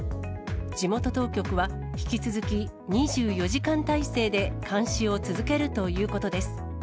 地元当局は、引き続き２４時間態勢で監視を続けるということです。